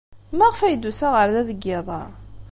Maɣef ay d-tusa ɣer da deg yiḍ-a?